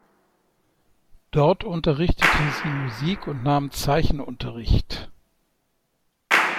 Dort unterrichtete sie Musik und nahm Zeichenunterricht.